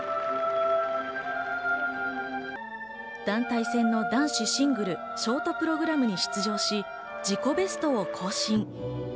団体戦の男子シングル、ショートプログラムに出場し、自己ベストを更新。